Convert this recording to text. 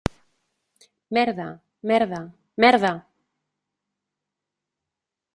Merda, merda, merda!